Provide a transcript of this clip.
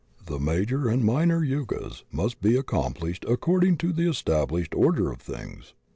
The major and minor yugas must be ac compUshed according to the established order of things.